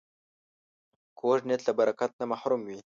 کوږ نیت له برکت نه محروم وي